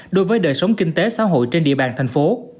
đối với đời sống kinh tế xã hội trên địa bàn thành phố